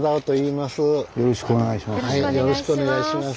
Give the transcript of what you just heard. よろしくお願いします。